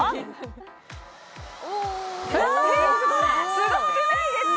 すごくないですか？